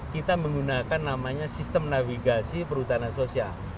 kita menggunakan namanya sistem navigasi perhutanan sosial